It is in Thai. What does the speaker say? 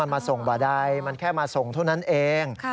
มันมาส่งบ่าใดมันแค่มาส่งเท่านั้นเอง